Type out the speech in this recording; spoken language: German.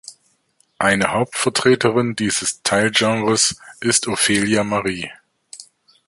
Eine Hauptvertreterin dieses Teilgenres ist Ophelia Marie.